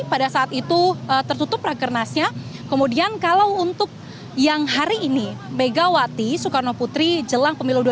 pernah di gospel